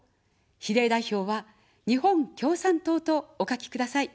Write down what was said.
比例代表は、日本共産党とお書きください。